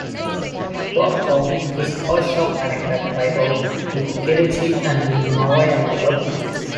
Volkhov is also connected by roads with Kirishi and with Novaya Ladoga.